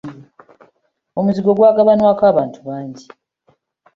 Omuzigo gw'agabanwako abantu bangi.